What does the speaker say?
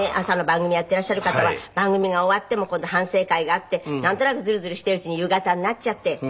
朝の番組やってらっしゃる方は番組が終わっても今度反省会があってなんとなくずるずるしてるうちに夕方になっちゃって。